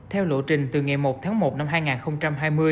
theo lộ trình từ ngày một tháng một năm hai nghìn hai mươi